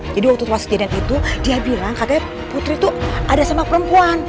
jadi waktu tuas kejadian itu dia bilang katanya putri itu ada sama perempuan